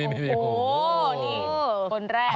โอ้โหนี่คนแรก